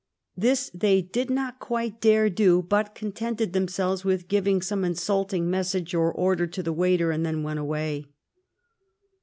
This they did not quite dare do, but contented themselves with giving some insulting message or order to the waiter and then went away."